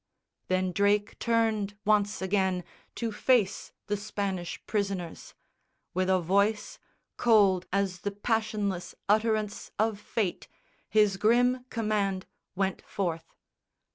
Then Drake turned once again, To face the Spanish prisoners. With a voice Cold as the passionless utterance of Fate His grim command went forth.